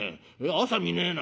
朝見ねえな